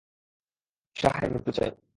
শাহ এর মৃত্যু চাই!